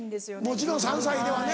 もちろん３歳ではね。